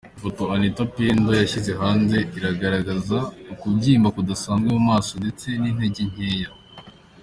Ifoto Anita Pendo yashyize hanze igaragaza ukubyimba kudasanzwe mu maso ndetse n’intege nkeya.